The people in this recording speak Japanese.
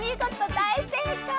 だいせいかい！